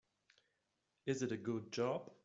Is it a good job?